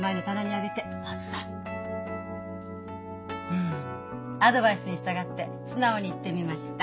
フフアドバイスに従って素直に言ってみました。